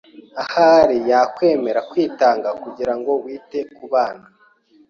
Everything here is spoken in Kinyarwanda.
Ahari wakwemera kwitanga kugirango wite kubana.